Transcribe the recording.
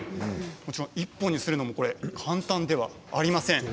もちろん１本にするのも簡単ではありません。